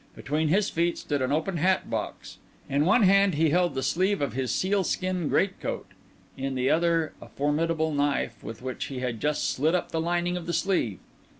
Between his feet stood an open hat box; in one hand he held the sleeve of his sealskin great coat; in the other a formidable knife, with which he had just slit up the lining of the sleeve.